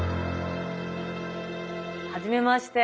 はじめまして。